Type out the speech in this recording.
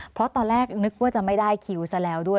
เพราะตอนแรกนึกว่าจะไม่ได้คิวซะแล้วด้วย